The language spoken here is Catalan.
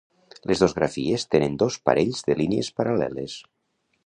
Les dos grafies tenen dos parells de línies paral·leles.